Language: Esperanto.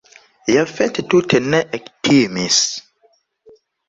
Jafet tute ne ektimis.